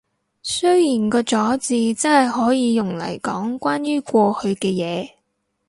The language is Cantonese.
雖然個咗字真係可以用嚟講關於過去嘅嘢